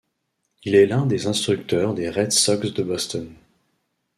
Il est l'un des instructeurs des Red Sox de Boston.